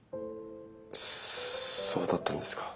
そうだったんですか。